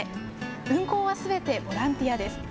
運行はすべてボランティアです。